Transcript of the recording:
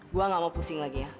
gue gak mau pusing lagi ya